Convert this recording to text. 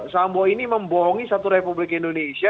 sambo ini membohongi satu republik indonesia